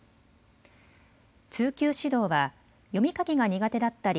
通級指導は読み書きが苦手だったり